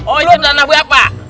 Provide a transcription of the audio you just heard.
oh itu tanah gue apa